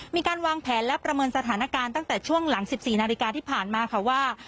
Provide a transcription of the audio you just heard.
มีการวางแผนและประเมินสถานการณ์ตั้งแต่ช่วงหลัง๑๔นาฬิกาที่ผ่านมาค่ะว่า